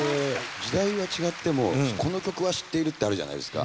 時代は違ってもこの曲は知っているってあるじゃないですか。